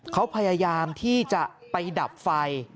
เขาพยายามที่จะไปดับไฟ